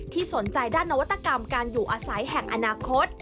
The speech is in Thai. สนใจด้านนวัตกรรมการอยู่อาศัยแห่งอนาคต